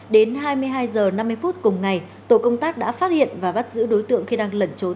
đến hai mươi hai h năm mươi phút cùng ngày tổ công tác đã phát hiện và bắt giữ đối tượng khi đang lẩn trốn